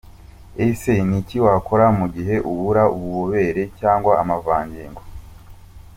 Ese ni iki wakora mu gihe ubura ububobere cyangwa amavangingo?.